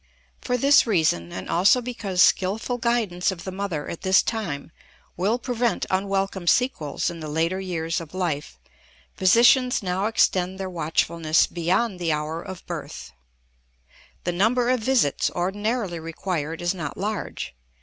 For this reason and also because skillful guidance of the mother at this time will prevent unwelcome sequels in the later years of life, physicians now extend their watchfulness beyond the hour of birth. The number of visits ordinarily required is not large.